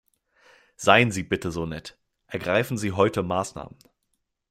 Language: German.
Seien Sie bitte so nett, ergreifen Sie heute Maßnahmen.